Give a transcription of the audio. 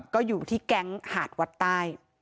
ก็อยู่ที่แก๊งหาดวัดใต้